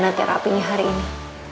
gimana terapinya hari ini